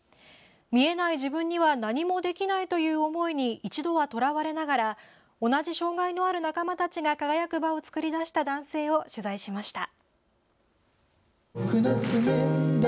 見えない自分には何もできないという思いに一度は、とらわれながら同じ障害のある仲間たちが輝く場を作り出した男性を取材しました。